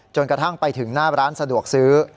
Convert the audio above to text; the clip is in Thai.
กระทั่งไปถึงหน้าร้านสะดวกซื้อ